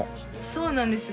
そうなんですよ